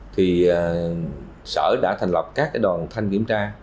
thì sở đã thành lập các đoàn thanh kiểm tra